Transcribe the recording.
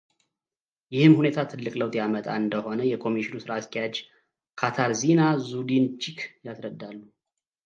ይህም ሁኔታ ትልቅ ለውጥ ያመጣ እንደሆነ የኮሚሽኑ ሥራ አስኪያጅ ካታርዚና ዙዱንቺክ ያስረዳሉ።